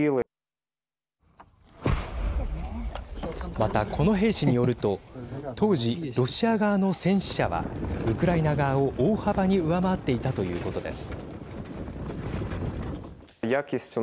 また、この兵士によると当時ロシア側の戦死者はウクライナ側を大幅に上回っていたということです。